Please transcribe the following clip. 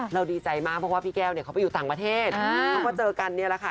ดีใจมากเพราะว่าพี่แก้วเนี่ยเขาไปอยู่ต่างประเทศเขาก็เจอกันเนี่ยแหละค่ะ